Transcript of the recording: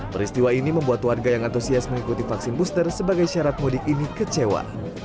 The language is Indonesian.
peristiwa ini membuat warga yang antusias mengikuti vaksin booster sebagai syarat mudik ini kecewa